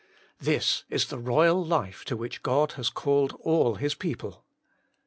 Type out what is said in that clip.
This is the royal life to whic li God has called all His people.